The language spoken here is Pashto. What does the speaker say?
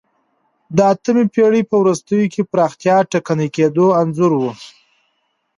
د اتمې پېړۍ په وروستیو کې پراختیا ټکنۍ کېدو انځور و